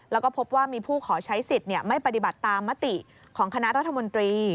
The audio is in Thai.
แล้วก็พบว่ามีผู้ขอใช้สิทธิ์ไม่ปฏิบัติตามมติของคณะรัฐมนตรี